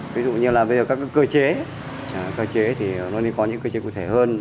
ví dụ như các cơ chế cơ chế thì nó có những cơ chế cụ thể hơn